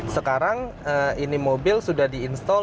sekarang ini mobil sudah di install